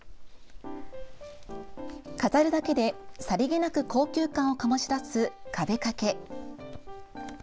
飾るだけでさりげなく高級感をかもし出す壁掛け。